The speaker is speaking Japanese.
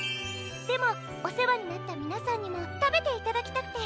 でもおせわになったみなさんにもたべていただきたくて。